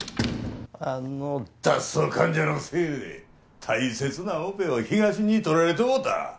あの脱走患者のせいで大切なオペを東に取られてもうた！